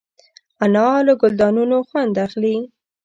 انا له ګلدانونو خوند اخلي